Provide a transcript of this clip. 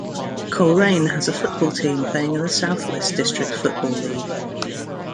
Coleraine has a football team playing in the South West District Football League.